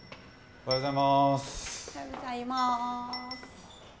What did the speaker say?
おはようございます。